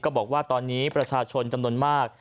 บอกว่าตอนนี้ประชาชนจำนวนมาก